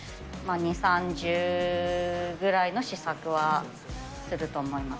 ２、３０ぐらいの試作はすると思います。